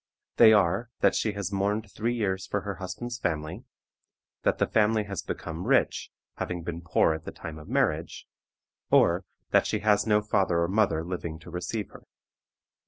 They are, that she has mourned three years for her husband's family; that the family has become rich, having been poor at the time of marriage; or, that she has no father or mother living to receive her.